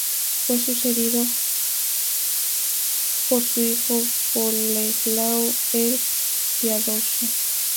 Fue sucedido por su hijo Boleslao el Piadoso.